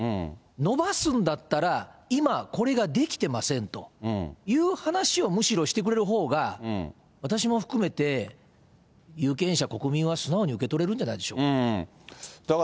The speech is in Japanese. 延ばすんだったら、今、これができてませんという話をむしろしてくれるほうが、私も含めて有権者、国民は素直に受け取れるんじゃないでしょうか。